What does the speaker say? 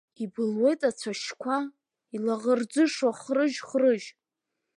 Ибылуеит ацәашьқәа, илаӷырӡышо хрыжь-хрыжь.